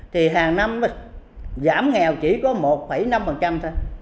thì hàng năm giảm nghèo chỉ có một năm thôi